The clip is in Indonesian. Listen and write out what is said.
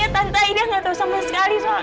kamu juga tau apa jawabannya kan